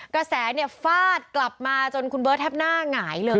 กระแสเนี่ยฟาดกลับมาจนคุณเบิร์ตแทบหน้าหงายเลย